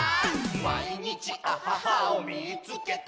「まいにちアハハをみいつけた！」